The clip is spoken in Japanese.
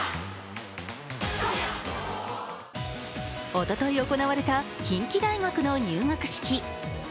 おととい行われた近畿大学の入学式。